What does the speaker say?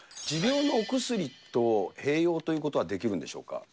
持病のお薬と併用ということはできるんでしょうか。